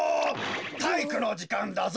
たいいくのじかんだぞ。